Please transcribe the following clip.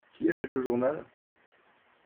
Qui achète le journal ?